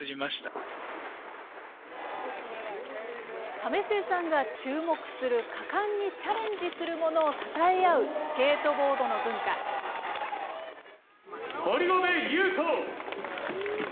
為末さんが注目する果敢にチャレンジする者をたたえ合うスケ堀米雄斗。